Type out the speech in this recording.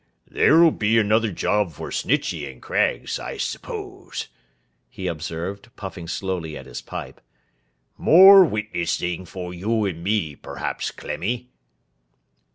'There'll be another job for Snitchey and Craggs, I suppose,' he observed, puffing slowly at his pipe. 'More witnessing for you and me, perhaps, Clemmy!